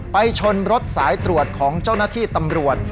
ไปชนรถสายตรวจของเจ้าหน้าที่ตำรวจ